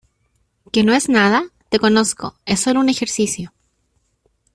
¿ que no es nada? te conozco. es solo un ejercicio